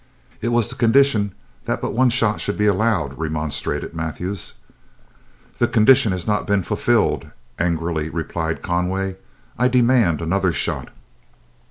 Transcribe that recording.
"It was the condition that but one shot should be allowed," remonstrated Mathews. "The condition has not been fulfilled," angrily replied Conway; "I demand another shot."